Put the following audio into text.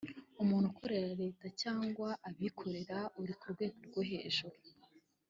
umuntu ukorera Leta cyangwa abikorera uri ku rwego rwo hejuru